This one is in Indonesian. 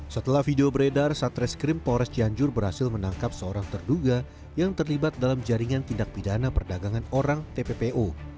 setelah video beredar satreskrim polres cianjur berhasil menangkap seorang terduga yang terlibat dalam jaringan tindak pidana perdagangan orang tppo